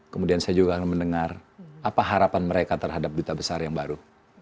kemudian saya juga akan mendengar apa harapan mereka terhadap duta besar yang baru